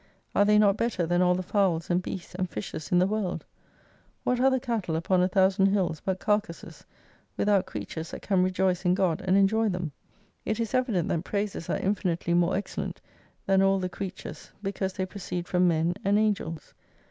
Are they not better than all the fowls and beasts and fishes in the world ? What are the cattle upon a thousand hills but carcases, without creatures that can rejoice in God, and enjoy them ? It is evident that praises are infinitely more excellent than all the creatures because they proceed from men and angels.